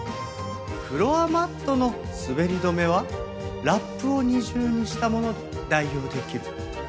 フロアマットの滑り止めはラップを２重にしたもので代用できる。